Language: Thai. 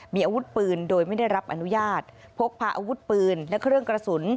มีอาวุธปืนโดยไม่ได้รับอนุญาตพกพาอาวุธปืนและเครื่องกระสุน